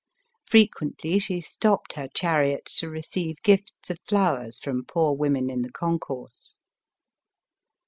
Frequently she stopped her chariot to receive gifts of flowers from poor women in the concourse.